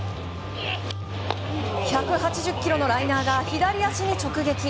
１８０キロのライナーが左足に直撃。